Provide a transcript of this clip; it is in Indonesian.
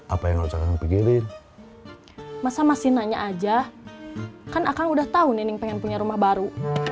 apa yang pikirin masa masih nanya aja kan akan udah tahu nining pengen punya rumah baru